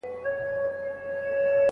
تفاهم باید زیات سي.